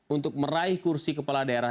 untuk meraih kursi kepala daerah